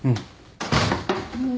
うん。